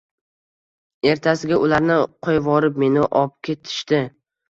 Ertasiga ularni qo‘yvorib meni opketishdi.